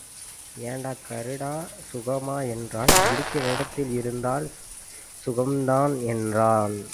ஏண்டா கருடா சுகமா என்றால், இருக்கிற இடத்தில் இருந்தால் சுகந்தான் என்றான்.